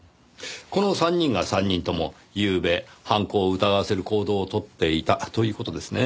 この３人が３人ともゆうべ犯行を疑わせる行動を取っていたという事ですね？